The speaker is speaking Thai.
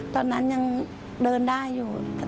ตอนนั้นยังเดินได้อยู่